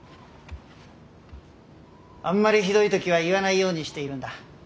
あんまりひどい時は言わないようにしているんだ。